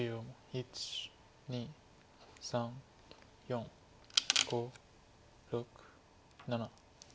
１２３４５６７。